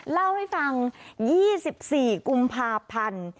เล่าให้ฟัง๒๔กุมภาพันธ์